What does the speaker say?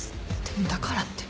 でもだからって。